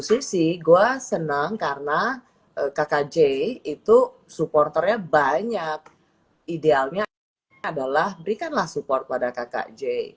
persisi gua seneng karena kakak j itu supporternya banyak idealnya adalah berikanlah support pada kakak j